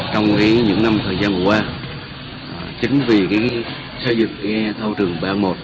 trong những năm thời gian qua chính vì xây dựng thao trường ba một